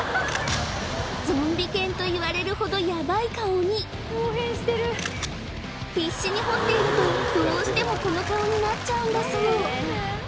ゾンビ犬と言われるほどヤバい顔に必死に掘っているとどうしてもこの顔になっちゃうんだそう